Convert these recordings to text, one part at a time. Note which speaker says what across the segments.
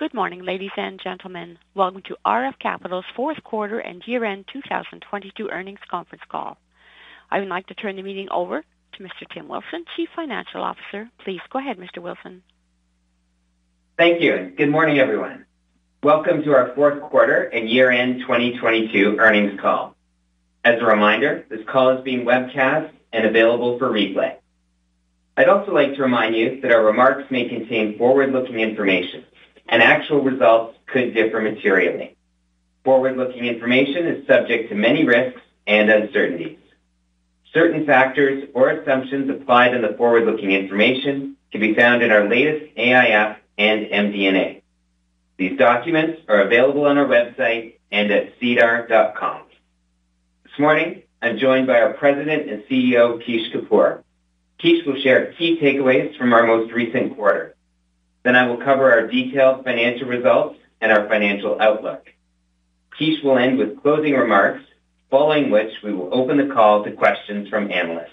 Speaker 1: Good morning, ladies and gentlemen. Welcome to RF Capital's fourth quarter and year-end 2022 earnings conference call. I would like to turn the meeting over to Mr. Tim Wilson, Chief Financial Officer. Please go ahead, Mr. Wilson.
Speaker 2: Thank you. Good morning, everyone. Welcome to our fourth quarter and year-end 2022 earnings call. As a reminder, this call is being webcast and available for replay. I'd also like to remind you that our remarks may contain forward-looking information and actual results could differ materially. Forward-looking information is subject to many risks and uncertainties. Certain factors or assumptions applied in the forward-looking information can be found in our latest AIF and MD&A. These documents are available on our website and at sedar.com. This morning, I'm joined by our President and CEO, Kish Kapoor. Kish will share key takeaways from our most recent quarter. I will cover our detailed financial results and our financial outlook. Kish will end with closing remarks, following which we will open the call to questions from analysts.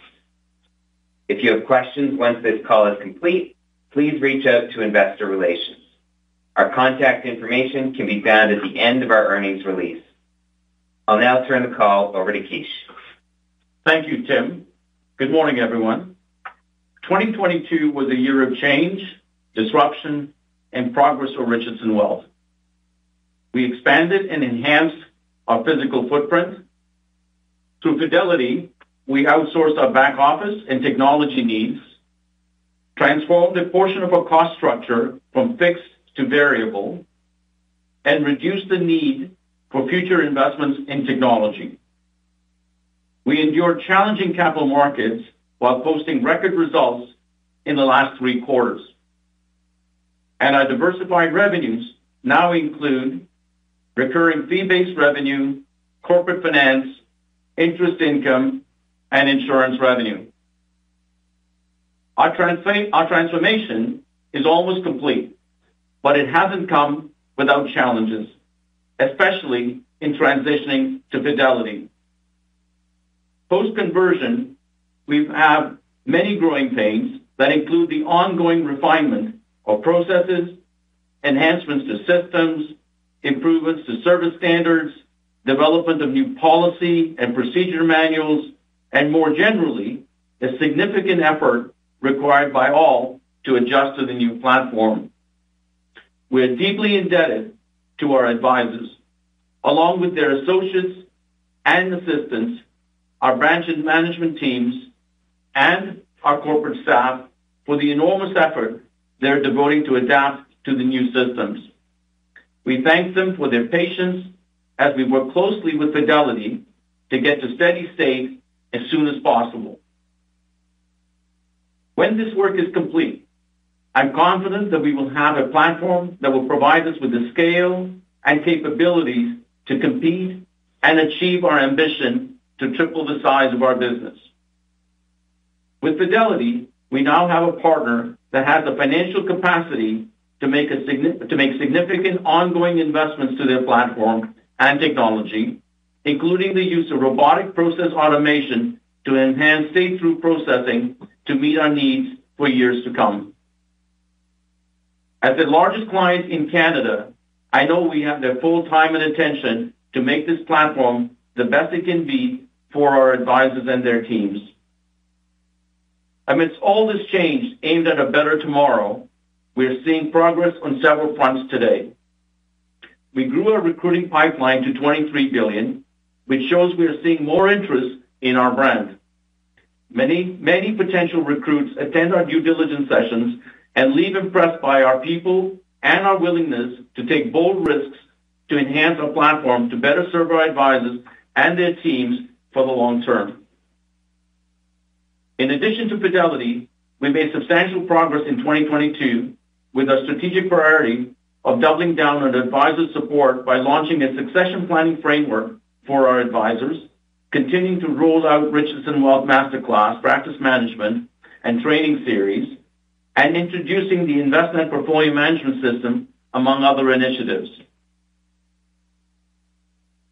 Speaker 2: If you have questions once this call is complete, please reach out to investor relations. Our contact information can be found at the end of our earnings release. I'll now turn the call over to Kish.
Speaker 3: Thank you, Tim. Good morning, everyone. 2022 was a year of change, disruption, and progress for Richardson Wealth. Through Fidelity, we outsourced our back office and technology needs, transformed a portion of our cost structure from fixed to variable, and reduced the need for future investments in technology. We endured challenging capital markets while posting record results in the last three quarters, and our diversified revenues now include recurring fee-based revenue, corporate finance, interest income, and insurance revenue. Our transformation is almost complete, but it hasn't come without challenges, especially in transitioning to Fidelity. Post-conversion, we've had many growing pains that include the ongoing refinement of processes, enhancements to systems, improvements to service standards, development of new policy and procedure manuals, and more generally, a significant effort required by all to adjust to the new platform. We're deeply indebted to our advisors, along with their associates and assistants, our branch and management teams, and our corporate staff for the enormous effort they're devoting to adapt to the new systems. We thank them for their patience as we work closely with Fidelity to get to steady state as soon as possible. When this work is complete, I'm confident that we will have a platform that will provide us with the scale and capabilities to compete and achieve our ambition to triple the size of our business. With Fidelity, we now have a partner that has the financial capacity to make significant ongoing investments to their platform and technology, including the use of robotic process automation to enhance straight-through processing to meet our needs for years to come. As the largest client in Canada, I know we have their full time and attention to make this platform the best it can be for our advisors and their teams. Amidst all this change aimed at a better tomorrow, we're seeing progress on several fronts today. We grew our recruiting pipeline to 23 billion, which shows we are seeing more interest in our brand. Many potential recruits attend our due diligence sessions and leave impressed by our people and our willingness to take bold risks to enhance our platform to better serve our advisors and their teams for the long term. We made substantial progress in 2022 with our strategic priority of doubling down on advisor support by launching a succession planning framework for our advisors, continuing to roll out Richardson Wealth Masterclass practice management and training series, and introducing the investment portfolio management system, among other initiatives.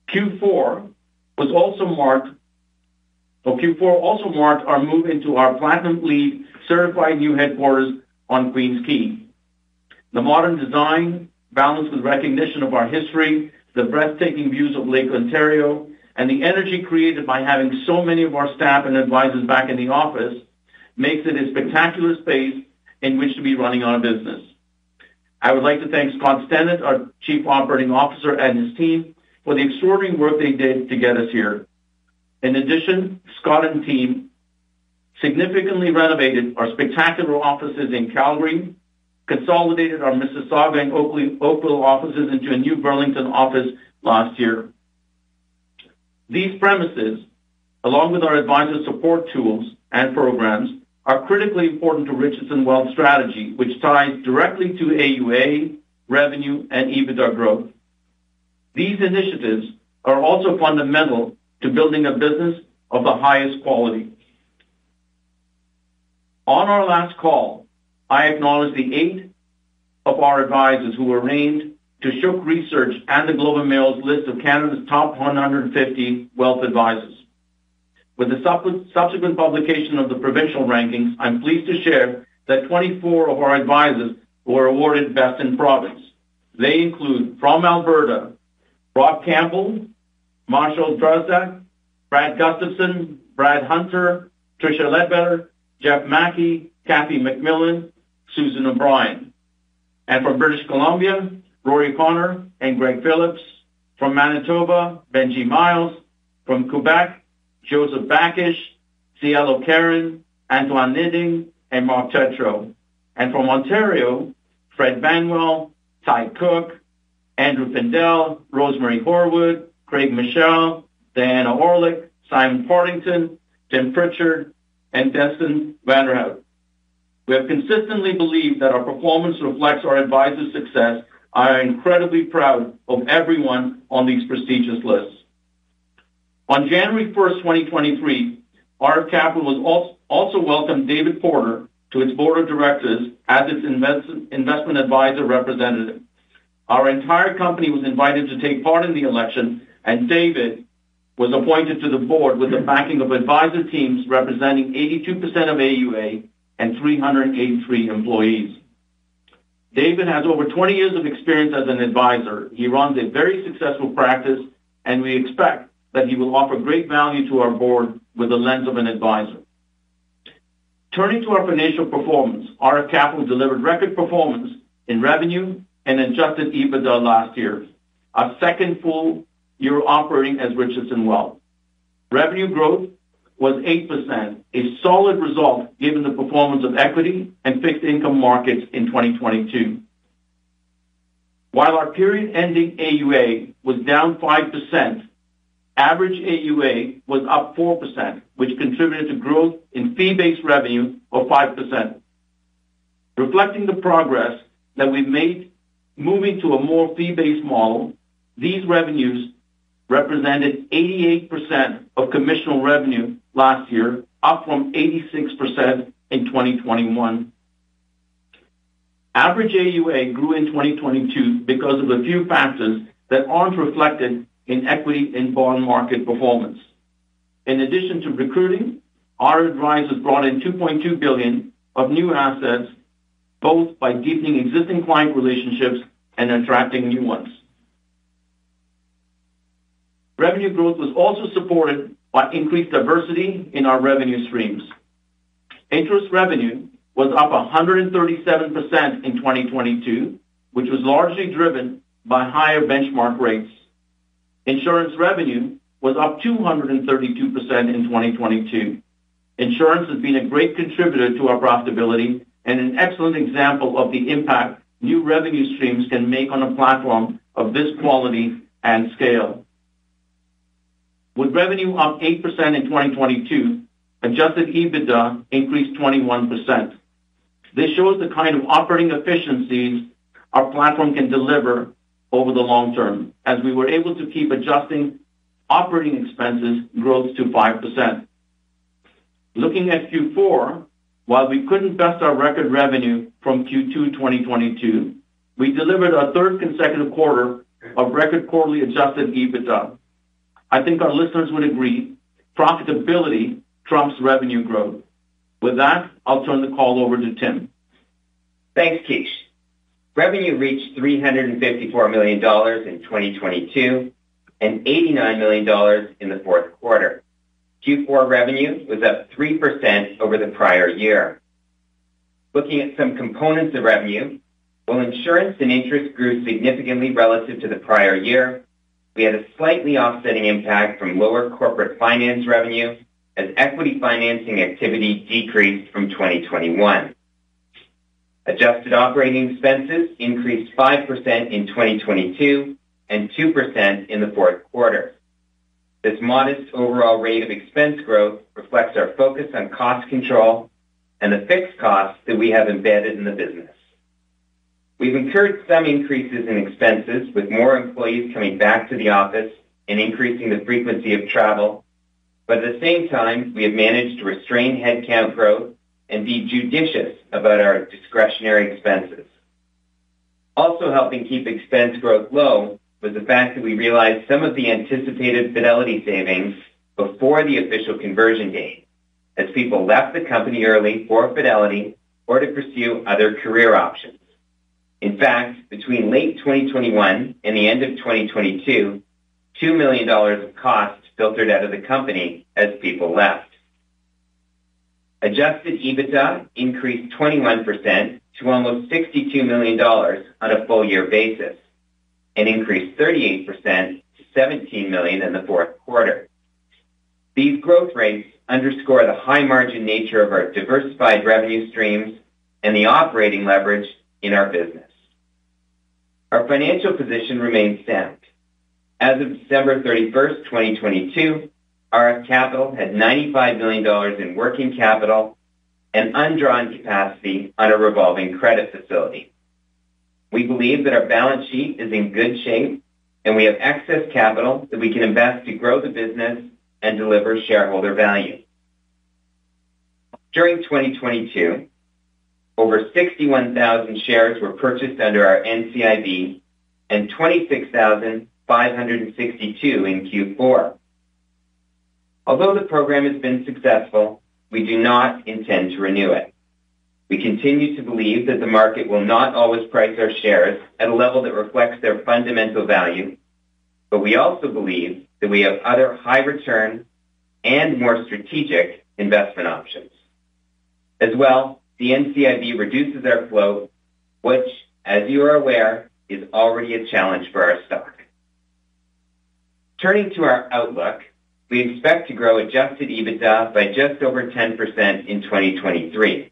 Speaker 3: Q4 also marked our move into our Platinum LEED certified new headquarters on Queens Quay. The modern design balanced with recognition of our history, the breathtaking views of Lake Ontario, and the energy created by having so many of our staff and advisors back in the office makes it a spectacular space in which to be running our business. I would like to thank Scott Stennett, our Chief Operating Officer, and his team for the extraordinary work they did to get us here. Scott and team significantly renovated our spectacular offices in Calgary, consolidated our Mississauga and Oakville offices into a new Burlington office last year. These premises, along with our advisor support tools and programs, are critically important to Richardson Wealth strategy, which ties directly to AUA, revenue, and EBITDA growth. These initiatives are also fundamental to building a business of the highest quality. On our last call, I acknowledged the eight of our advisors who were named to SHOOK Research and The Globe and Mail's list of Canada's top 150 wealth advisors. With the subsequent publication of the provincial rankings, I'm pleased to share that 24 of our advisors were awarded Best in Province. They include from Alberta, Rob Campbell, Marshall Drozduk, Brad Gustafson, Brad Hunter, Tricia Leadbeater, Jeffrey Mackie, Kathy McMillan, Susan O'Brien. From British Columbia, Rory O'Connor and Greg Phillips. From Manitoba, Benji Miles. From Quebec, Joseph Bakish, Cielo Carin, Antoine Niding, and Mark Tetrault. From Ontario, Fred Banwell, Ty Cooke, Andrew Pifield, Rosemary Horwood, Craig Michel, Diana Orlic, Simon Partington, Tim Pritchard, and Dustin Van Der Hout. We have consistently believed that our performance reflects our advisors' success. I am incredibly proud of everyone on these prestigious lists. On January 1, 2023, RF Capital also welcomed David Porter to its board of directors as its investment advisor representative. Our entire company was invited to take part in the election, and David was appointed to the board with the backing of advisor teams representing 82% of AUA and 383 employees. David has over 20 years of experience as an advisor. He runs a very successful practice, and we expect that he will offer great value to our board with the lens of an advisor. Turning to our financial performance, RF Capital delivered record performance in revenue and adjusted EBITDA last year. Our second full year operating as Richardson Wealth. Revenue growth was 8%, a solid result given the performance of equity and fixed income markets in 2022. While our period-ending AUA was down 5%, average AUA was up 4%, which contributed to growth in fee-based revenue of 5%. Reflecting the progress that we've made moving to a more fee-based model, these revenues represented 88% of commissional revenue last year, up from 86% in 2021. Average AUA grew in 2022 because of a few factors that aren't reflected in equity and bond market performance. In addition to recruiting, our advisors brought in 2.2 billion of new assets, both by deepening existing client relationships and attracting new ones. Revenue growth was also supported by increased diversity in our revenue streams. Interest revenue was up 137% in 2022, which was largely driven by higher benchmark rates. Insurance revenue was up 232% in 2022. Insurance has been a great contributor to our profitability and an excellent example of the impact new revenue streams can make on a platform of this quality and scale. With revenue up 8% in 2022, adjusted EBITDA increased 21%. This shows the kind of operating efficiencies our platform can deliver over the long term, as we were able to keep adjusting operating expenses growth to 5%. Looking at Q4, while we couldn't best our record revenue from Q2 2022, we delivered our third consecutive quarter of record quarterly adjusted EBITDA. I think our listeners would agree, profitability trumps revenue growth. With that, I'll turn the call over to Tim.
Speaker 2: Thanks, Kish. Revenue reached 354 million dollars in 2022 and 89 million dollars in the fourth quarter. Q4 revenue was up 3% over the prior year. Looking at some components of revenue, while insurance and interest grew significantly relative to the prior year, we had a slightly offsetting impact from lower corporate finance revenue as equity financing activity decreased from 2021. Adjusted operating expenses increased 5% in 2022 and 2% in the fourth quarter. This modest overall rate of expense growth reflects our focus on cost control and the fixed costs that we have embedded in the business. We've incurred some increases in expenses with more employees coming back to the office and increasing the frequency of travel, but at the same time, we have managed to restrain headcount growth and be judicious about our discretionary expenses. Also helping keep expense growth low was the fact that we realized some of the anticipated Fidelity savings before the official conversion date, as people left the company early for Fidelity or to pursue other career options. In fact, between late 2021 and the end of 2022, 2 million dollars of costs filtered out of the company as people left. Adjusted EBITDA increased 21% to almost 62 million dollars on a full year basis and increased 38% to 17 million in the fourth quarter. These growth rates underscore the high margin nature of our diversified revenue streams and the operating leverage in our business. Our financial position remains sound. As of December 31, 2022, RF Capital had 95 million dollars in working capital and undrawn capacity on a revolving credit facility. We believe that our balance sheet is in good shape. We have excess capital that we can invest to grow the business and deliver shareholder value. During 2022, over 61,000 shares were purchased under our NCIB and 26,562 in Q4. Although the program has been successful, we do not intend to renew it. We continue to believe that the market will not always price our shares at a level that reflects their fundamental value. We also believe that we have other high return and more strategic investment options. As well, the NCIB reduces our flow, which as you are aware, is already a challenge for our stock. Turning to our outlook, we expect to grow adjusted EBITDA by just over 10% in 2023.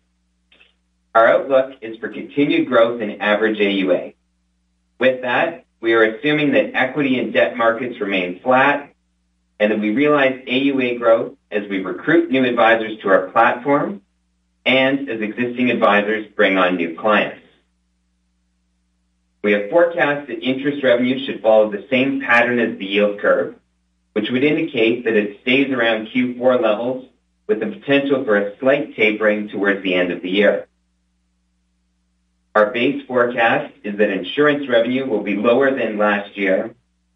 Speaker 2: Our outlook is for continued growth in average AUA. With that, we are assuming that equity and debt markets remain flat and that we realize AUA growth as we recruit new advisors to our platform and as existing advisors bring on new clients. We have forecast that interest revenue should follow the same pattern as the yield curve, which would indicate that it stays around Q4 levels with the potential for a slight tapering towards the end of the year. Our base forecast is that insurance revenue will be lower than last year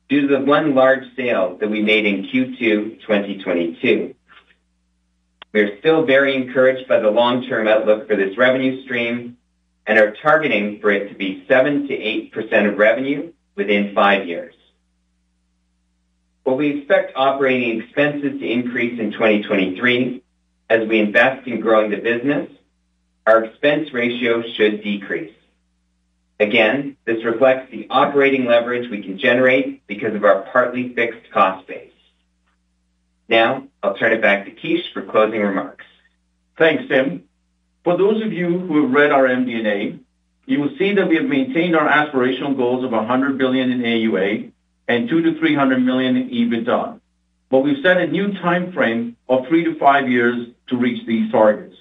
Speaker 2: due to the one large sale that we made in Q2 2022. We are still very encouraged by the long-term outlook for this revenue stream and are targeting for it to be 7%-8% of revenue within five years. While we expect operating expenses to increase in 2023 as we invest in growing the business, our expense ratio should decrease. Again, this reflects the operating leverage we can generate because of our partly fixed cost base. Now, I'll turn it back to Kish for closing remarks.
Speaker 3: Thanks, Tim. For those of you who have read our MD&A, you will see that we have maintained our aspirational goals of 100 billion in AUA and 200 million-300 million in EBITDA, we've set a new time frame of three to five years to reach these targets.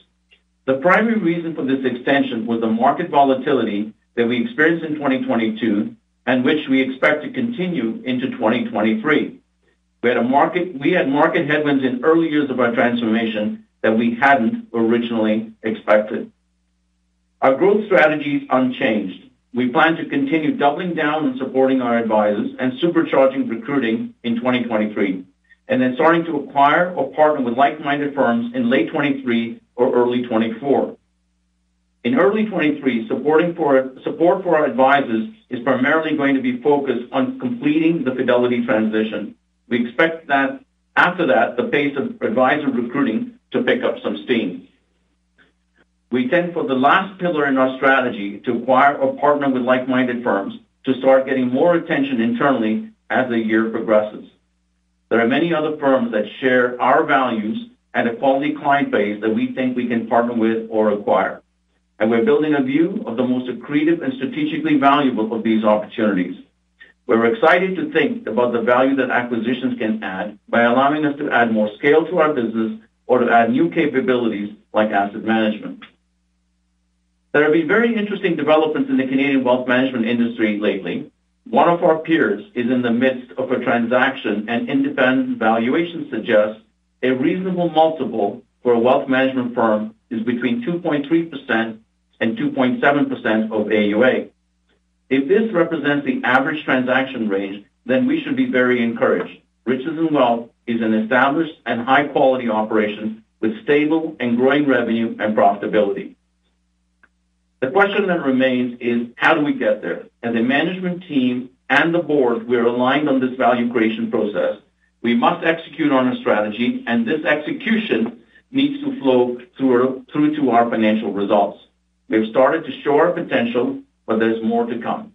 Speaker 3: The primary reason for this extension was the market volatility that we experienced in 2022 and which we expect to continue into 2023. We had market headwinds in early years of our transformation that we hadn't originally expected. Our growth strategy is unchanged. We plan to continue doubling down and supporting our advisors and supercharging recruiting in 2023, starting to acquire or partner with like-minded firms in late 2023 or early 2024. In early 2023, support for our advisors is primarily going to be focused on completing the Fidelity transition. We expect that after that, the pace of advisor recruiting to pick up some steam. We tend for the last pillar in our strategy to acquire or partner with like-minded firms to start getting more attention internally as the year progresses. There are many other firms that share our values and a quality client base that we think we can partner with or acquire. We're building a view of the most accretive and strategically valuable of these opportunities. We're excited to think about the value that acquisitions can add by allowing us to add more scale to our business or to add new capabilities like asset management. There have been very interesting developments in the Canadian wealth management industry lately. One of our peers is in the midst of a transaction, independent valuation suggests a reasonable multiple for a wealth management firm is between 2.3% and 2.7% of AUA. If this represents the average transaction range, we should be very encouraged. Richardson Wealth is an established and high-quality operation with stable and growing revenue and profitability. The question that remains is, how do we get there? As a management team and the board, we are aligned on this value creation process. We must execute on our strategy, this execution needs to flow through to our financial results. We have started to show our potential, there's more to come.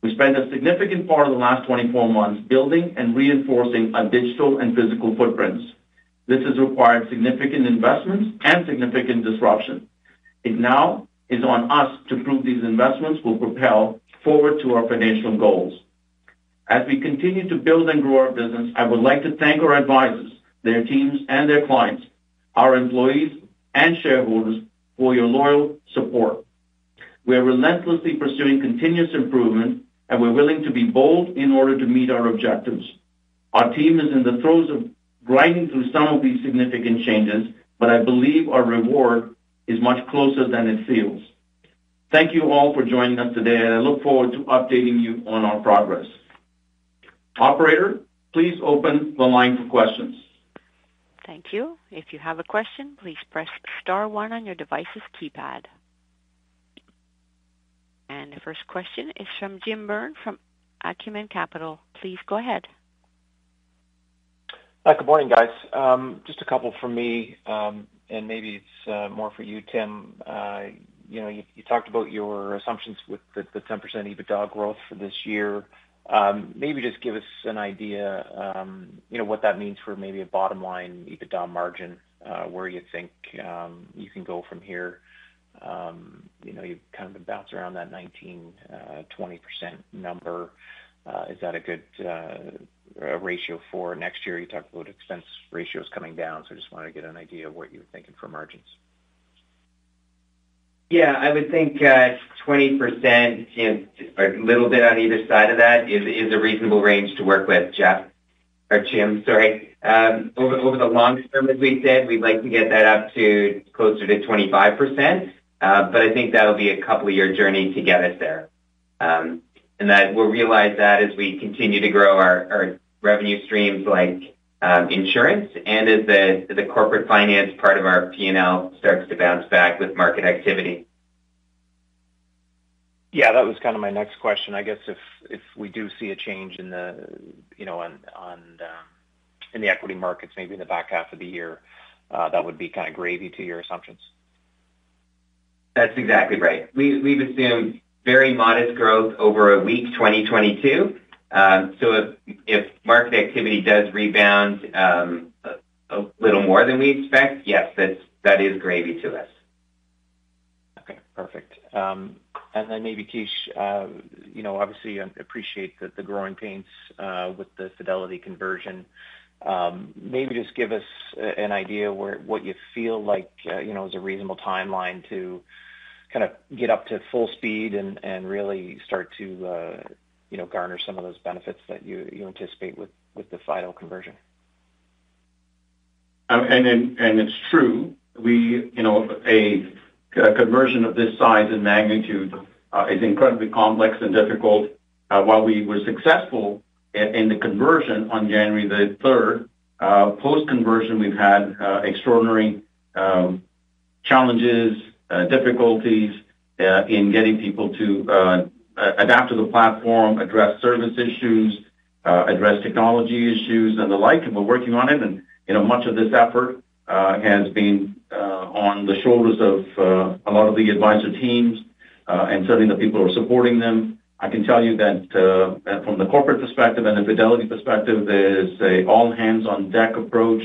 Speaker 3: We spent a significant part of the last 24 months building and reinforcing our digital and physical footprints. This has required significant investments and significant disruption. It now is on us to prove these investments will propel forward to our financial goals. As we continue to build and grow our business, I would like to thank our advisors, their teams, and their clients, our employees and shareholders for your loyal support. We are relentlessly pursuing continuous improvement, and we're willing to be bold in order to meet our objectives. Our team is in the throes of grinding through some of these significant changes, but I believe our reward is much closer than it feels. Thank you all for joining us today, and I look forward to updating you on our progress. Operator, please open the line for questions.
Speaker 1: Thank you. If you have a question, please press star 1 on your device's keypad. The first question is from Jim Byrne from Acumen Capital. Please go ahead.
Speaker 4: Hi. Good morning, guys. Just a couple from me, and maybe it's more for you, Tim. You know, you talked about your assumptions with the 10% EBITDA growth for this year. Maybe just give us an idea, you know, what that means for maybe a bottom line EBITDA margin, where you think you can go from here. You know, you've kind of been bouncing around that 19%-20% number. Is that a good ratio for next year? You talked about expense ratios coming down, so I just wanted to get an idea of what you were thinking for margins.
Speaker 2: Yeah, I would think 20% or a little bit on either side of that is a reasonable range to work with, Jeff or Jim, sorry. Over the long term, as we said, we'd like to get that up to closer to 25%. I think that'll be a couple year journey to get us there. That we'll realize that as we continue to grow our revenue streams like insurance and as the corporate finance part of our P&L starts to bounce back with market activity.
Speaker 4: Yeah, that was kind of my next question. I guess if we do see a change in the, you know, in the equity markets maybe in the back half of the year, that would be kind of gravy to your assumptions.
Speaker 2: That's exactly right. We've assumed very modest growth over a weak 2022. If market activity does rebound a little more than we expect, yes, that is gravy to us.
Speaker 4: Okay. Perfect. Then maybe, Kish, you know, obviously appreciate the growing pains, with the Fidelity conversion. Maybe just give us an idea what you feel like, you know, is a reasonable timeline to kind of get up to full speed and really start to, you know, garner some of those benefits that you anticipate with the Fido conversion?
Speaker 3: It's true. We, you know, a conversion of this size and magnitude is incredibly complex and difficult. While we were successful in the conversion on January 3rd, post-conversion, we've had extraordinary challenges, difficulties, in getting people to adapt to the platform, address service issues, address technology issues and the like, and we're working on it. You know, much of this effort has been on the shoulders of a lot of the advisor teams and certainly the people who are supporting them. I can tell you that from the corporate perspective and the Fidelity perspective, there's a all hands on deck approach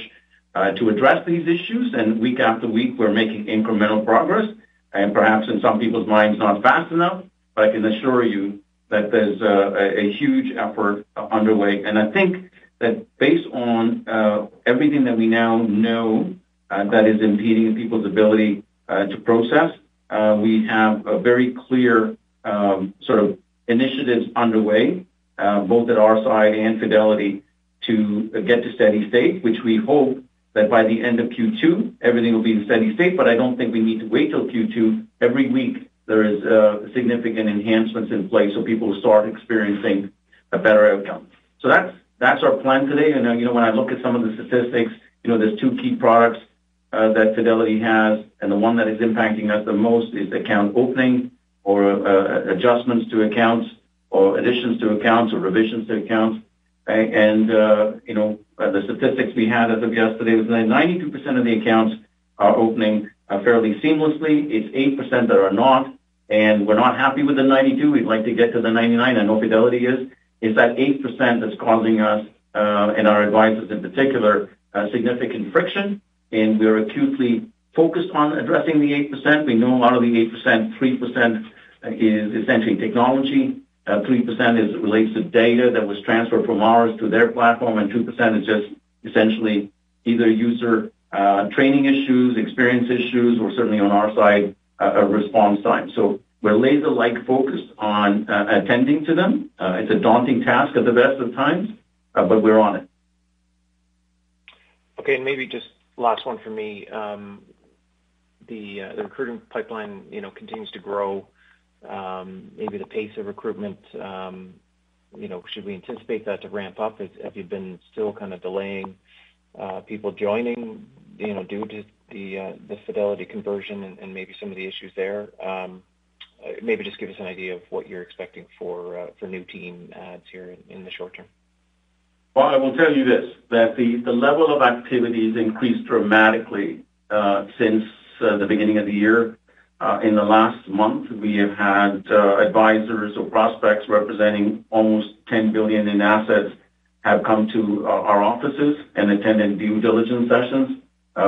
Speaker 3: to address these issues. Week after week, we're making incremental progress and perhaps in some people's minds, not fast enough. I can assure you that there's a huge effort underway. I think that based on everything that we now know, that is impeding people's ability to process, we have a very clear sort of initiatives underway, both at our side and Fidelity to get to steady state, which we hope that by the end of Q2, everything will be in steady state. I don't think we need to wait till Q2. Every week, there is significant enhancements in place so people will start experiencing a better outcome. That's, that's our plan today. You know, when I look at some of the statistics, you know, there's two key products that Fidelity has, and the one that is impacting us the most is account opening or adjustments to accounts or additions to accounts or revisions to accounts. You know, the statistics we had as of yesterday was that 92% of the accounts are opening fairly seamlessly. It's 8% that are not, and we're not happy with the 92%. We'd like to get to the 99%. I know Fidelity is. It's that 8% that's causing us and our advisors in particular, significant friction. We're acutely focused on addressing the 8%. We know a lot of the 8%, 3% is essentially technology. 3% is relates to data that was transferred from ours to their platform, and 2% is just essentially either user training issues, experience issues, or certainly on our side, a response time. We're laser-like focused on attending to them. It's a daunting task at the best of times, but we're on it.
Speaker 4: Okay. Maybe just last one for me. The recruiting pipeline, you know, continues to grow. Maybe the pace of recruitment, you know, should we anticipate that to ramp up as you've been still kind of delaying people joining, you know, due to the Fidelity conversion and maybe some of the issues there? Maybe just give us an idea of what you're expecting for new team adds here in the short term?
Speaker 3: Well, I will tell you this, that the level of activity has increased dramatically since the beginning of the year. In the last month, we have had advisors or prospects representing almost 10 billion in assets have come to our offices and attended due diligence sessions,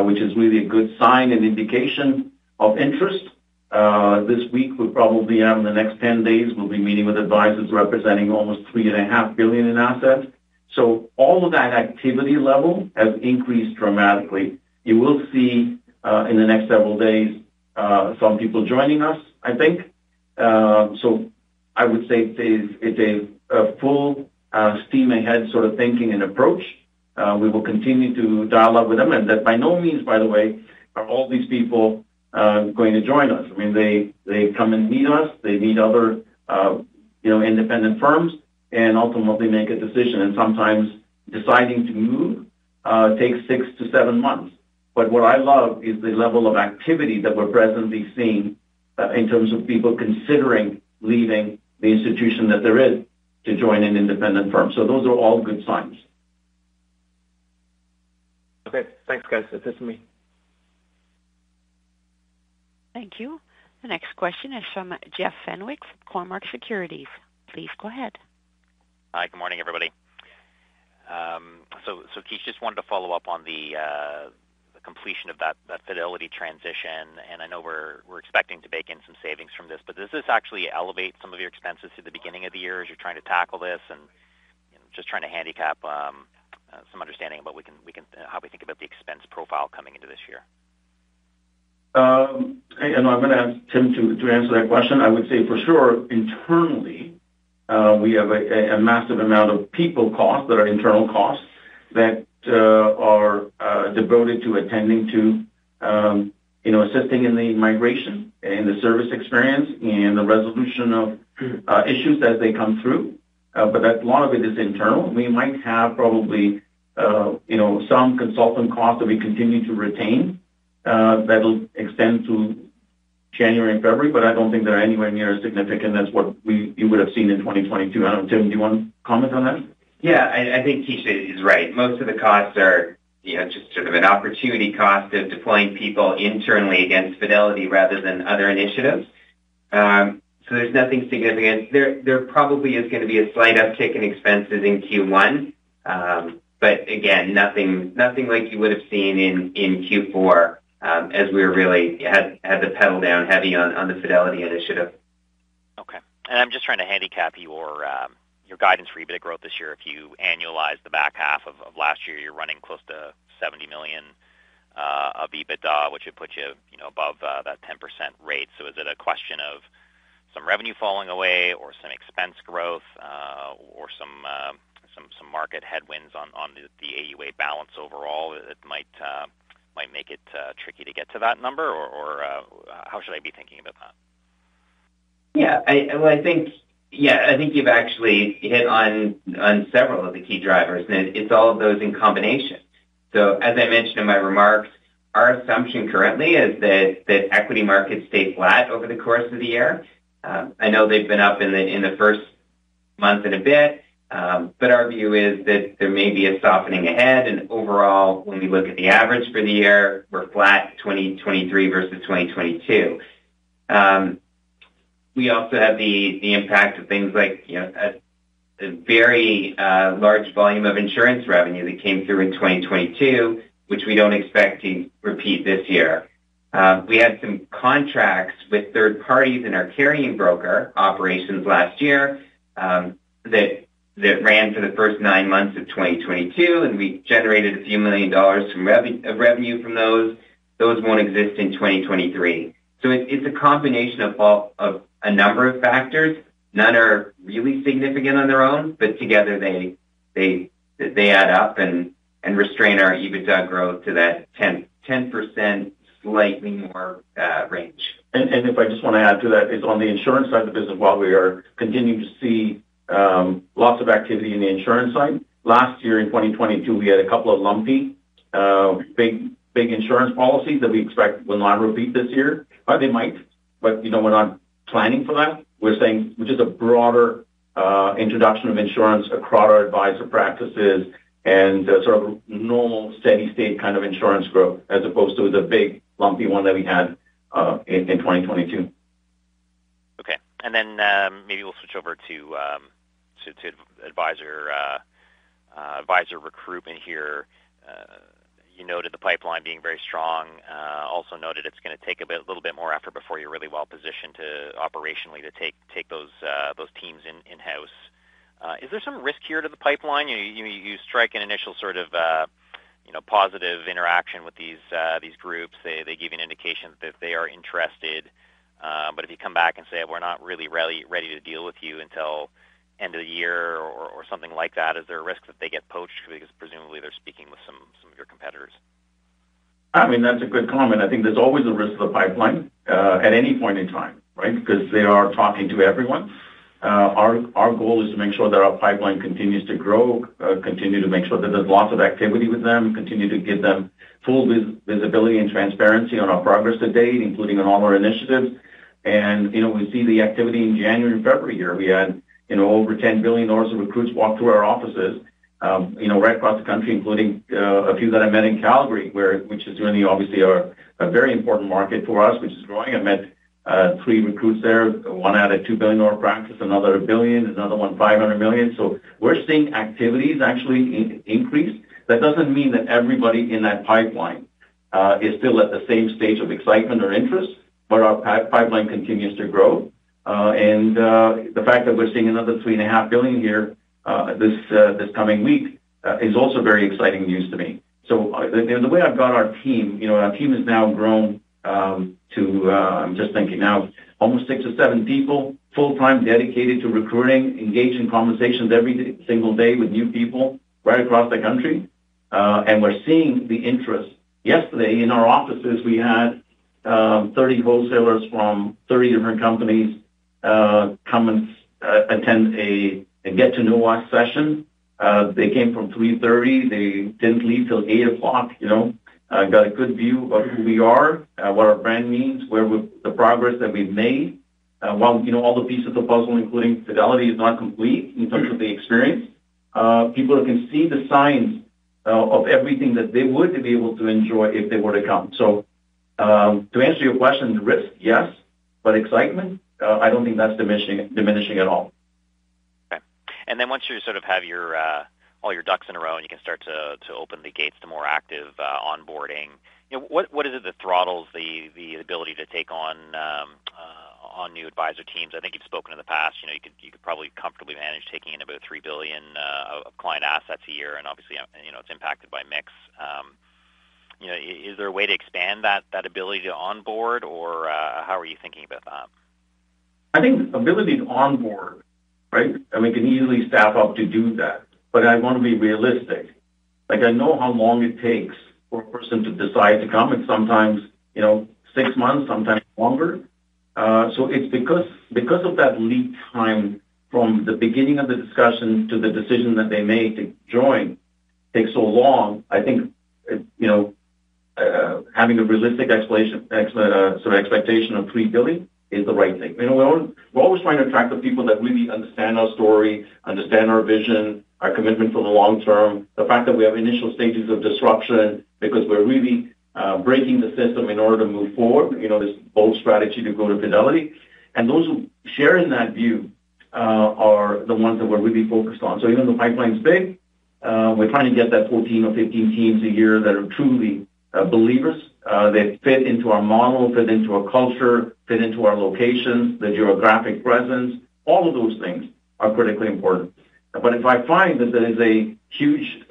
Speaker 3: which is really a good sign and indication of interest. This week, we probably have in the next 10 days, we'll be meeting with advisors representing almost 3.5 billion in assets. All of that activity level has increased dramatically. You will see in the next several days, some people joining us, I think. I would say it is, it's a full steam ahead sort of thinking and approach. We will continue to dial up with them. That by no means, by the way, are all these people going to join us. I mean, they come and meet us, they meet other, you know, independent firms and ultimately make a decision. Sometimes deciding to move takes six to seven months. What I love is the level of activity that we're presently seeing in terms of people considering leaving the institution that they're in to join an independent firm. Those are all good signs.
Speaker 4: Okay. Thanks, guys. That's it for me.
Speaker 1: Thank you. The next question is from Jeff Fenwick, Cormark Securities. Please go ahead.
Speaker 5: Hi. Good morning, everybody. Kish, just wanted to follow up on the completion of that Fidelity transition. I know we're expecting to bake in some savings from this. Does this actually elevate some of your expenses through the beginning of the year as you're trying to tackle this. Just trying to handicap some understanding about we can, how we think about the expense profile coming into this year.
Speaker 3: I'm gonna ask Tim to answer that question. I would say for sure, internally, we have a massive amount of people costs that are internal costs that are devoted to attending to, you know, assisting in the migration and the service experience and the resolution of issues as they come through. That a lot of it is internal. We might have probably, you know, some consultant costs that we continue to retain that'll extend to January and February, but I don't think they're anywhere near as significant as what you would have seen in 2022. I don't know, Tim, do you wanna comment on that?
Speaker 2: Yeah. I think Kish is right. Most of the costs are, you know, just sort of an opportunity cost of deploying people internally against Fidelity rather than other initiatives. There's nothing significant. There probably is gonna be a slight uptick in expenses in Q1. Again, nothing like you would have seen in Q4 as we really had the pedal down heavy on the Fidelity initiative.
Speaker 5: I'm just trying to handicap your guidance for EBITDA growth this year. If you annualize the back half of last year, you're running close to 70 million of EBITDA, which would put you know, above that 10% rate. Is it a question of some revenue falling away or some expense growth or some market headwinds on the AUA balance overall that might make it tricky to get to that number? Or, how should I be thinking about that?
Speaker 2: Well, I think, yeah, I think you've actually hit on several of the key drivers, and it's all of those in combination. As I mentioned in my remarks, our assumption currently is that equity markets stay flat over the course of the year. I know they've been up in the first month and a bit, but our view is that there may be a softening ahead. Overall, when we look at the average for the year, we're flat 2023 versus 2022. We also have the impact of things like, you know, a very large volume of insurance revenue that came through in 2022, which we don't expect to repeat this year. We had some contracts with third parties in our carrying broker operations last year, that ran for the first nine months of 2022. We generated a few million dollars of revenue from those. Those won't exist in 2023. It's a combination of a number of factors. None are really significant on their own, but together, they add up and restrain our EBITDA growth to that 10%, slightly more, range.
Speaker 3: If I just wanna add to that, is on the insurance side of the business, while we are continuing to see lots of activity in the insurance side, last year in 2022, we had a couple of lumpy, big insurance policies that we expect will not repeat this year. They might, but, you know, we're not planning for that. We're saying just a broader, introduction of insurance across our advisor practices and sort of normal steady-state kind of insurance growth as opposed to the big lumpy one that we had in 2022.
Speaker 5: Okay. Maybe we'll switch over to advisor recruitment here. You noted the pipeline being very strong, also noted it's gonna take a little bit more effort before you're really well positioned operationally to take those teams in-house. Is there some risk here to the pipeline? You strike an initial sort of, you know, positive interaction with these groups. They give you an indication that they are interested. If you come back and say, "We're not really ready to deal with you until end of the year," or something like that, is there a risk that they get poached? Because presumably they're speaking with some of your competitors.
Speaker 3: I mean, that's a good comment. I think there's always a risk to the pipeline, at any point in time, right? Because they are talking to everyone. Our goal is to make sure that our pipeline continues to grow, continue to make sure that there's lots of activity with them, continue to give them full visibility and transparency on our progress to date, including on all our initiatives. You know, we see the activity in January and February here. We had, you know, over 10 billion dollars of recruits walk through our offices, you know, right across the country, including a few that I met in Calgary, which is really obviously a very important market for us, which is growing. I met three recruits there. One had a 2 billion dollar practice, another 1 billion, another one, 500 million. We're seeing activities actually increase. That doesn't mean that everybody in that pipeline is still at the same stage of excitement or interest, but our pipeline continues to grow. The fact that we're seeing another three and a half billion here this coming week is also very exciting news to me. The way I've got our team, you know, our team has now grown to, I'm just thinking now, almost six or seven people, full-time dedicated to recruiting, engaging conversations every single day with new people right across the country. We're seeing the interest. Yesterday in our offices, we had 30 wholesalers from 30 different companies come and attend a Get to Know Us session. They came from 3:30 P.M. They didn't leave till 8:00 P.M., you know. Got a good view of who we are, what our brand means, where the progress that we've made. While, you know, all the pieces of the puzzle, including Fidelity, is not complete in terms of the experience, people can see the signs, of everything that they would be able to enjoy if they were to come. To answer your question, the risk, yes. Excitement, I don't think that's diminishing at all.
Speaker 5: Then once you sort of have your all your ducks in a row and you can start to open the gates to more active onboarding, you know, what is it that throttles the ability to take on new advisor teams? I think you've spoken in the past, you know, you could probably comfortably manage taking in about 3 billion of client assets a year, and obviously, you know, it's impacted by mix. You know, is there a way to expand that ability to onboard or how are you thinking about that?
Speaker 3: I think ability to onboard, right? I mean, can easily staff up to do that. I want to be realistic. Like, I know how long it takes for a person to decide to come, and sometimes, you know, six months, sometimes longer. It's because of that lead time from the beginning of the discussion to the decision that they make to join takes so long, I think, you know, having a realistic sort of expectation of CAD 3 billion is the right thing. You know, we're always trying to attract the people that really understand our story, understand our vision, our commitment to the long term, the fact that we have initial stages of disruption because we're really breaking the system in order to move forward. You know, this bold strategy to go to Fidelity. Those who share in that view are the ones that we're really focused on. Even the pipeline is big, we're trying to get that 14 or 15 teams a year that are truly believers. They fit into our model, fit into our culture, fit into our locations, the geographic presence. All of those things are critically important. If I find that there is a huge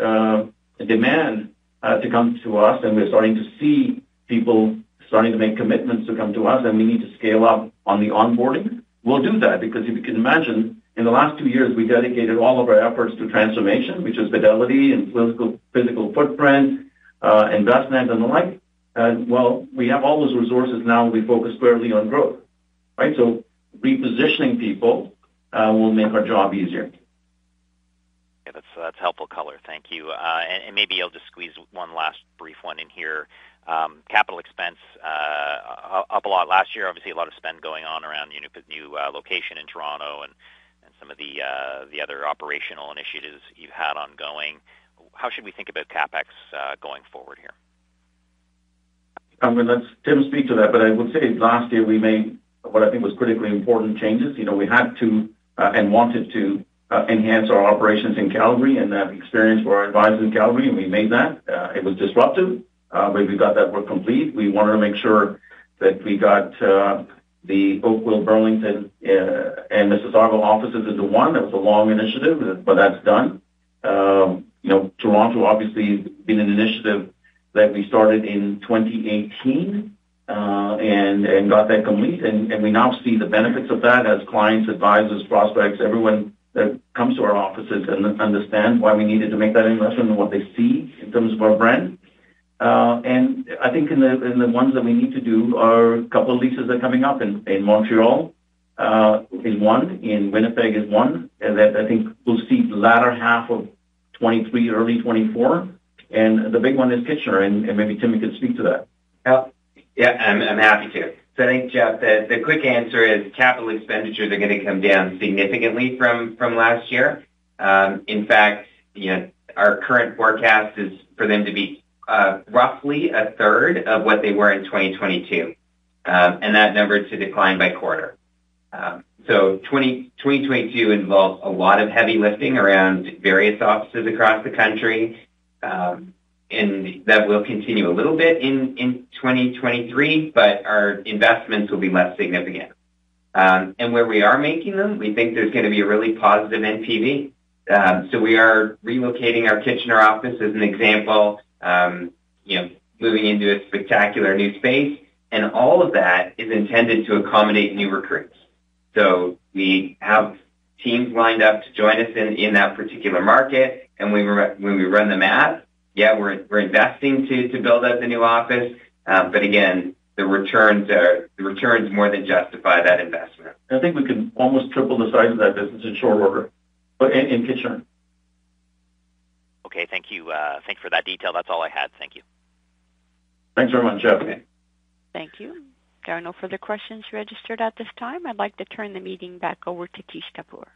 Speaker 3: demand to come to us, and we're starting to see people starting to make commitments to come to us, and we need to scale up on the onboarding, we'll do that. If you can imagine, in the last two years, we dedicated all of our efforts to transformation, which is Fidelity and physical footprint, investment and the like. Well, we have all those resources now will be focused squarely on growth, right? Repositioning people will make our job easier.
Speaker 5: Yeah. That's helpful color. Thank you. Maybe I'll just squeeze one last brief one in here. capital expense up a lot last year. Obviously, a lot of spend going on around the new location in Toronto and some of the other operational initiatives you've had ongoing. How should we think about CapEx going forward here?
Speaker 3: I'm gonna let Tim speak to that. I would say last year we made what I think was critically important changes. You know, we had to and wanted to enhance our operations in Calgary and that experience for our advisors in Calgary, and we made that. It was disruptive. We got that work complete. We wanted to make sure that we got the Oakville, Burlington, and Mississauga offices into one. That's a long initiative. That's done. You know, Toronto obviously been an initiative that we started in 2018, and got that complete. We now see the benefits of that as clients, advisors, prospects, everyone that comes to our offices and understand why we needed to make that investment and what they see in terms of our brand. I think in the, in the ones that we need to do are a couple of leases are coming up in Montreal, is one, in Winnipeg is one. That I think we'll see the latter half of 2023, early 2024. The big one is Kitchener. Maybe Tim, you can speak to that.
Speaker 2: Yeah. Yeah, I'm happy to. I think, Jeff, the quick answer is capital expenditures are gonna come down significantly from last year. In fact, you know, our current forecast is for them to be roughly a third of what they were in 2022. That number to decline by quarter. 2022 involved a lot of heavy lifting around various offices across the country. That will continue a little bit in 2023, but our investments will be less significant. Where we are making them, we think there's gonna be a really positive NPV. We are relocating our Kitchener office as an example. You know, moving into a spectacular new space. All of that is intended to accommodate new recruits. We have teams lined up to join us in that particular market. When we run the math, yeah, we're investing to build out the new office. Again, the returns more than justify that investment.
Speaker 3: I think we can almost triple the size of that business in short order, but in Kitchener.
Speaker 5: Okay. Thank you. Thanks for that detail. That's all I had. Thank you.
Speaker 3: Thanks very much, Jeff.
Speaker 1: Thank you. There are no further questions registered at this time. I'd like to turn the meeting back over to Kish Kapoor.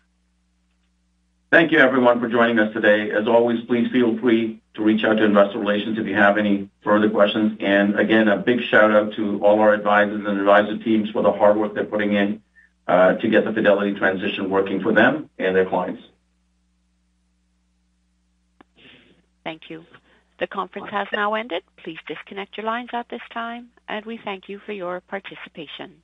Speaker 3: Thank you, everyone, for joining us today. As always, please feel free to reach out to investor relations if you have any further questions. Again, a big shout-out to all our advisors and advisor teams for the hard work they're putting in to get the Fidelity transition working for them and their clients.
Speaker 1: Thank you. The conference has now ended. Please disconnect your lines at this time, and we thank you for your participation.